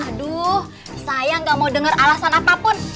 aduh saya gak mau denger alasan apapun